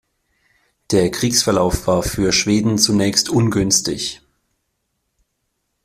Der Kriegsverlauf war für Schweden zunächst ungünstig.